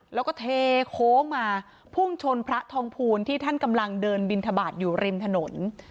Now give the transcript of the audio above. แล้วก็เทโค้งมาพุ่งชนพระทองภูลที่ท่านกำลังเดินบินทบาทอยู่ริมถนน